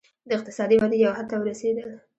د اقتصادي ودې یو حد ته ورسېدل.